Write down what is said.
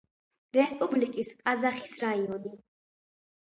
რესპუბლიკის ყაზახის რაიონი.